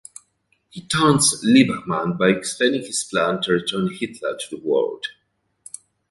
He taunts Lieberman by explaining his plan to return Hitler to the world.